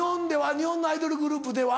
日本のアイドルグループでは？